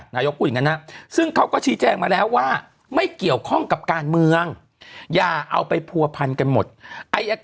นักข่าวของเขาต้องถามอย่างนั้นแหละอืมตนไม่ได้ตื่นตนก